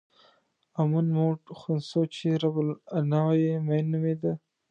امون موټ خونسو چې رب النوع یې مېن نومېده.